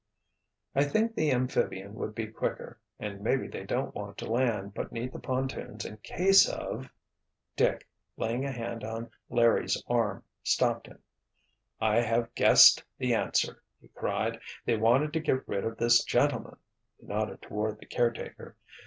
"I think the amphibian would be quicker—and maybe they don't want to land but need the pontoons in case of——" Dick, laying a hand on Larry's arm, stopped him. "I have guessed the answer," he cried. "They wanted to get rid of this gentleman," he nodded toward the caretaker.